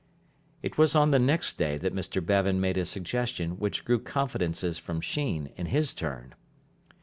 It was on the next day that Mr Bevan made a suggestion which drew confidences from Sheen, in his turn.